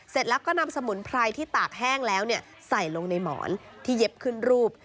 เสร็จแล้วก็นำสมุนไพรที่ตากแห้งแล้วใส่ลงในหมอนที่เย็บขึ้นรูป